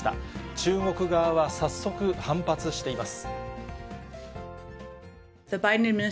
中国側は早速、反発しています。